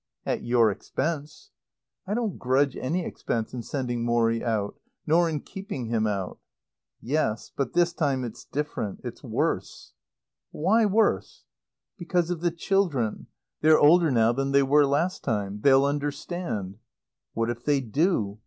"At your expense." "I don't grudge any expense in sending Morrie out. Nor in keeping him out." "Yes. But this time it's different. It's worse." "Why worse?" "Because of the children. They're older now than they were last time. They'll understand." "What if they do?